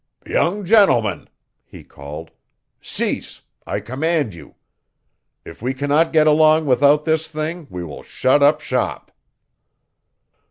'Young gentlemen!' he called. 'Cease, I command you. If we cannot get along without this thing we will shut up shop.'